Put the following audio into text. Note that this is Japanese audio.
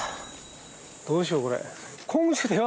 どうしようこれ。